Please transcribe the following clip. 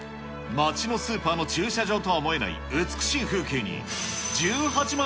町のスーパーの駐車場とは思えない美しい風景に、１８万